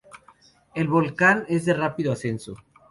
El volcán es de rápido ascenso.